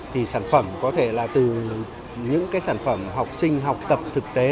thì sản phẩm có thể là từ những cái sản phẩm học sinh học tập thực tế